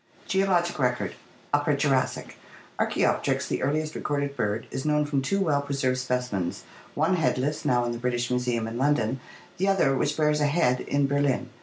Geologic Record Upper Jurassic. — Archaopteryx, the earliest recorded bird, is known from two well preserved specimens, one headless, now in the British Museum in London, the other, which bears a head, in Ber lin.